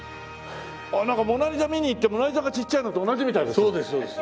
なんか『モナ・リザ』見に行って『モナ・リザ』がちっちゃいのと同じみたいですね。